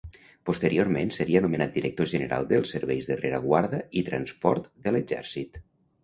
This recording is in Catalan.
Posteriorment seria nomenat Director general dels Serveis de rereguarda i transport de l'Exèrcit.